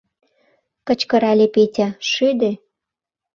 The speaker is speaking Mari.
Кычкырале Петя: «Шӱдӧ!